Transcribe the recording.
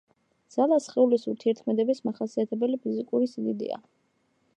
ძალა სხეულის ურთიერთქმედების მახასიათებელი ფიზიკური სიდიდეა